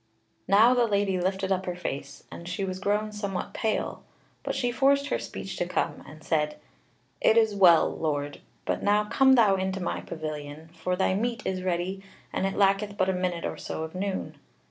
Now the lady lifted up her face, and she was grown somewhat pale; but she forced her speech to come, and said: "It is well, Lord, but now come thou into my pavilion, for thy meat is ready, and it lacketh but a minute or so of noon."